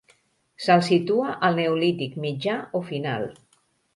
Se'l situa al Neolític mitjà o final.